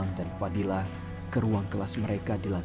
ems ah compt suka tugas semua diam